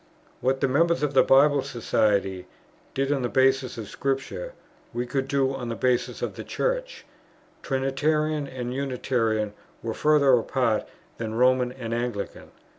What the members of the Bible Society did on the basis of Scripture, we could do on the basis of the Church; Trinitarian and Unitarian were further apart than Roman and Anglican.